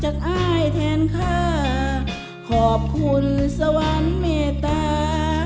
อ้ายแทนค่ะขอบคุณสวรรค์เมตตา